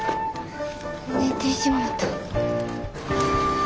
寝てしもた。